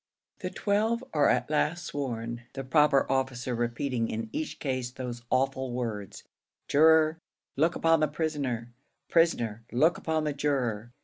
The twelve are at last sworn the proper officer repeating in each case those awful words, "Juror, look upon the prisoner. Prisoner, look upon the juror.